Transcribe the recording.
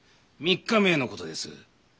３日前のことです。